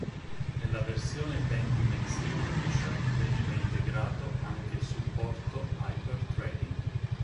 Nella versione Pentium Extreme Edition veniva integrato anche il supporto Hyper-Threading.